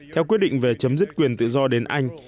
theo quyết định về chấm dứt quyền tự do đến anh